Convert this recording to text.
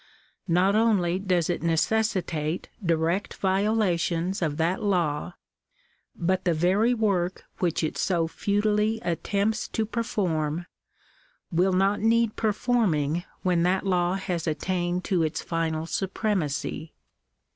Not only does it necessitate direct violations of that law, but the very work which it so futilely attempts to perform, will not need performing when that law has attained to its final supremacy.